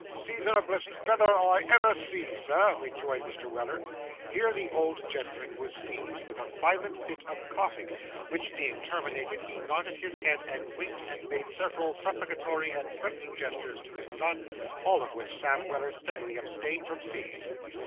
'Seasonablest veather I ever see, sir,' rejoined Mr. Weller. Here, the old gentleman was seized with a violent fit of coughing, which, being terminated, he nodded his head and winked and made several supplicatory and threatening gestures to his son, all of which Sam Weller steadily abstained from seeing.